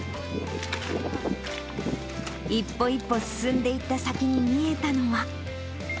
一歩一歩進んでいった先に見えたのは。